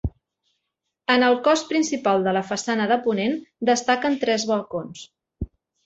En el cos principal de la façana de ponent destaquen tres balcons.